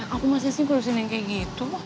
aku masih sibukin yang kayak gitu